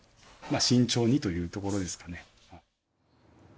慎重にというところですかね。